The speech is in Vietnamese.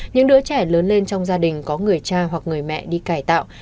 những đứa trẻ lớn lên trong gia đình có người cha hoặc người mẹ đi cải tạo